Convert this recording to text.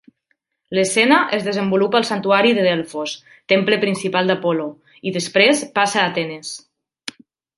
L'escena es desenvolupa al santuari de Delfos, temple principal d'Apol·lo, i després passa a Atenes.